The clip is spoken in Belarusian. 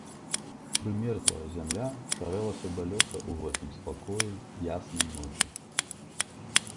Прымерзлая зямля шарэлася далёка ў гэтым спакоі яснай ночы.